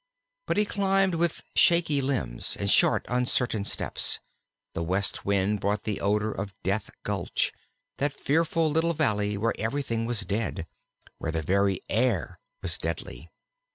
But as he climbed with shaky limbs, and short uncertain steps, the west wind brought the odor of Death Gulch, that fearful little valley where everything was dead, where the very air was deadly.